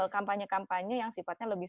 kampanye kampanye yang sifatnya lebih